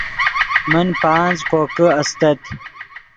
من پانچ کوکے استت